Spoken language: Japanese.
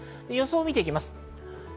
予想を見ていきます。